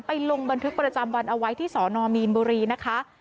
ลงบันทึกประจำวันเอาไว้ที่สนมีนบุรีนะคะ